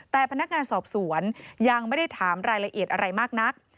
แต่พนักงานสอบสวนยังไม่ได้ถามรายละเอียดอะไรมากนัก